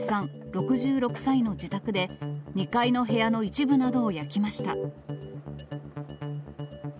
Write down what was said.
６６歳の自宅で、２階の部屋の一部などを焼きました。